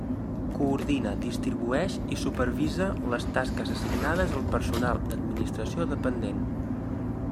Coordina, distribueix i supervisa les tasques assignades al personal d'administració dependent.